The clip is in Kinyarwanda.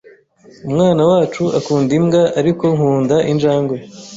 Umwana wacu akunda imbwa, ariko nkunda injangwe.